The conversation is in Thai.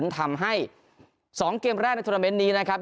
ทำให้๒เกมแรกในโทรเมนต์นี้นะครับ